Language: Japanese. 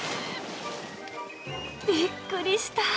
びっくりした。